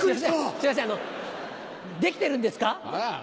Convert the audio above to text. すいませんできてるんですか？